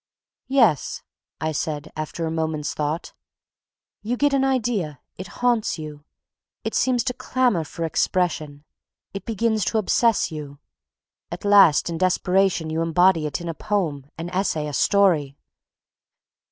"Yes," I said, after a moment's thought. "You get an idea. It haunts you. It seems to clamor for expression. It begins to obsess you. At last in desperation you embody it in a poem, an essay, a story.